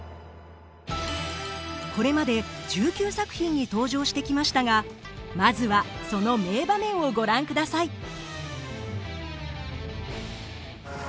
これまで１９作品に登場してきましたがまずはその名場面をご覧ください。